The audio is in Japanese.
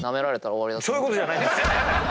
そういうことじゃないんです！